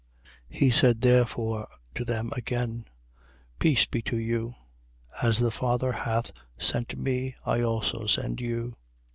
He said therefore to them again: Peace be to you. As the Father hath sent me, I also send you. 20:22.